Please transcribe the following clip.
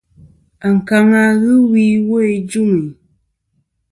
Ankaŋa wi iwo ijuŋi.